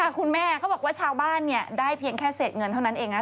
คุณแม่เขาบอกว่าชาวบ้านเนี่ยได้เพียงแค่เศษเงินเท่านั้นเองนะ